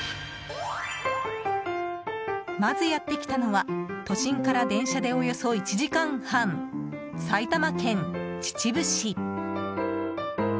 まず、やってきたのは都心から電車でおよそ１時間半埼玉県秩父市。